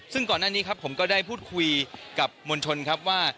ซึ่งก่อนหน้านี้ครับผมก็ได้พูดคุยกับมวลชนครับว่า